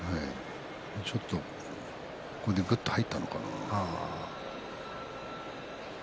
ちょっとぐっと入ったのかな。